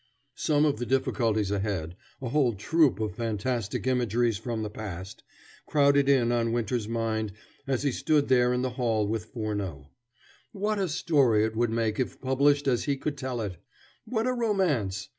Some of the difficulties ahead, a whole troupe of fantastic imageries from the past, crowded in on Winter's mind as he stood there in the hall with Furneaux. What a story it would make if published as he could tell it! What a romance!